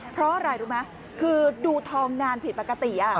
เพราะอะไรรู้ไหมคือดูทองนานผิดปกติ